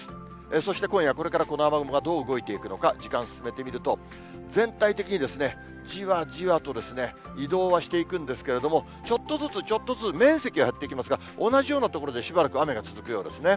そして今夜、これからこの雨雲がどう動いていくのか、時間進めてみると、全体的にじわじわと移動はしていくんですけれども、ちょっとずつちょっとずつ、面積は減ってきますが、同じような所でしばらく雨が続くようですね。